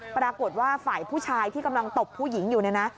ปรากฏว่าฝ่ายผู้ชายที่กำลังตบผู้หญิงอยู่เนี่ยนะ